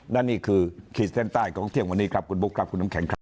และนี่คือขีดเส้นใต้ของเที่ยงวันนี้ครับคุณบุ๊คครับคุณน้ำแข็งครับ